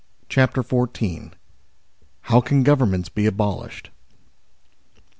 CHAPTER XIV HOW CAN GOVERNMENTS BE ABOLISHED?